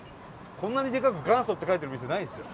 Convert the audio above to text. こんなにでかく元祖って書いてる店ないですよ